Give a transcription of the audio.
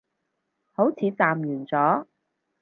好似暫完咗